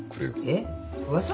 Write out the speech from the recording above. えっ？噂？